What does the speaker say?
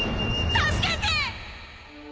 ・助けて！